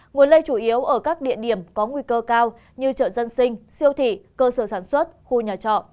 nguồn lây chủ yếu ở các địa điểm có nguy cơ cao như chợ dân sinh siêu thị cơ sở sản xuất khu nhà trọ